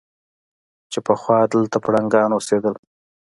چې پخوا دلته پړانګان اوسېدل.